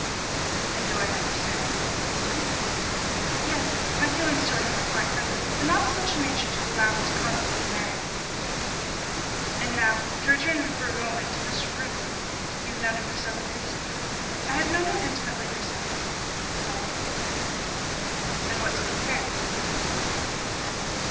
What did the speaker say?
"And do I understand that you refused him?" "Yes. My feelings towards him are quite friendly, but not of such a nature as to allow me to contemplate marrying him." "And now, to return for a moment to Mr. Reuben. You have known him for some years?" "I have known him intimately for six years," replied Miss Gibson. "And what sort of character do you give him?"